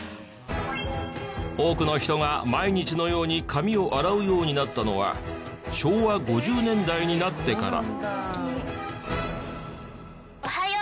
多くの人が毎日のように髪を洗うようになったのは昭和５０年代になってから。